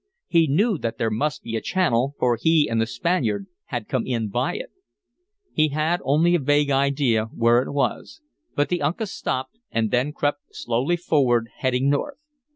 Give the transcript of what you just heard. He knew that there must be a channel, for he and the Spaniard had come in by it. He had only a vague idea where it was. But the Uncas stopped and then crept slowly forward, heading north.